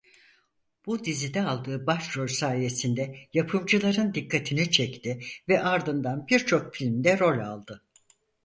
Bu dizide aldığı başrol sayesinde yapımcıların dikkatini çekti ve ardından birçok filmde rol aldı.